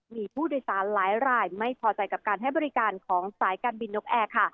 มีผู้โดยสารหลายรายไม่พอใจกับการให้บริการของสายการบินนกแอร์ค่ะ